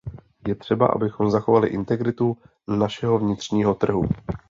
Je třeba, abychom zachovali integritu našeho vnitřního trhu.